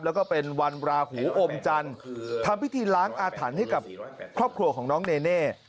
แล้วก็เป็นวันราหูอมจันทร์ทำพิธีล้างอาถรรพ์ให้กับครอบครัวของน้องเนเน่